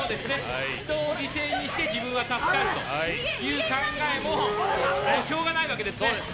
人を犠牲にして自分は助かるという考えもしょうがないわけですね。